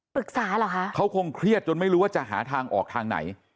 เหรอคะเขาคงเครียดจนไม่รู้ว่าจะหาทางออกทางไหน